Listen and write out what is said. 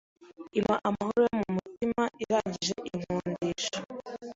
impa amahoro yo mu mutima, irangije inkundisha